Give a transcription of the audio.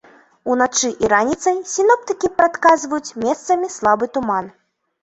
Уначы і раніцай сіноптыкі прадказваюць месцамі слабы туман.